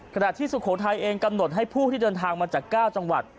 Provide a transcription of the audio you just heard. ขณะที่สุโขทัยเองกำหนดให้ผู้ที่เดินทางมาจาก๙จังหวัด